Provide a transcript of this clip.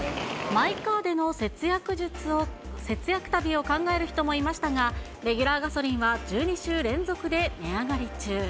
マイカーでの節約旅を考える人もいましたが、レギュラーガソリンは１２週連続で値上がり中。